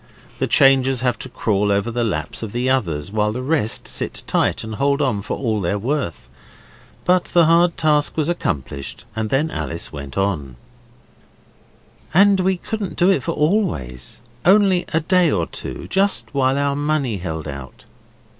The changers have to crawl over the laps of the others, while the rest sit tight and hold on for all they're worth. But the hard task was accomplished and then Alice went on 'And we couldn't do it for always, only a day or two just while our money held out.